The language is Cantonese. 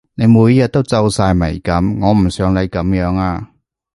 你每日都皺晒眉噉，我唔想你噉樣呀